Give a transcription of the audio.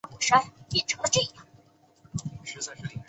后来在香港政府多方斡旋之下才被获释。